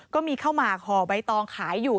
ก็มีข้าวหมากห่อใบตองขายอยู่